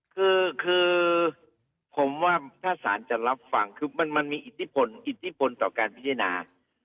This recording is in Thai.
คือผมว่าถ้าสารจะรับฟังคือมันมีอิทธิพลอิทธิพลต่อการพิจารณา